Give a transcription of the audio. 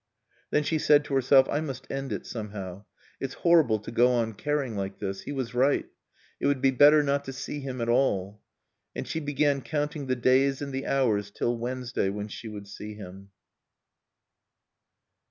Then she said to herself, "I must end it somehow. It's horrible to go on caring like this. He was right. It would be better not to see him at all." And she began counting the days and the hours till Wednesday when she would see him.